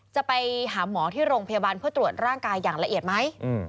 จะไปหาหมอที่โรงพยาบาลเพื่อตรวจร่างกายอย่างละเอียดไหม